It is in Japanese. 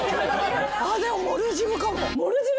でもモルジブかも。